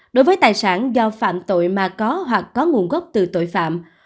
đối với tài sản do phạm tội mà có hoặc có nguồn gốc từ tội phạm